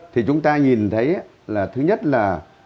thì chúng ta nhìn thấy là thứ nhất là